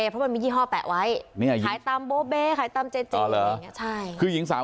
เพราะมันมียี่ห้อแปะไว้เนี้ยขายตามขายตามเจเจใช่คือหญิงสาว